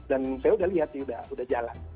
dan saya sudah lihat sih sudah jalan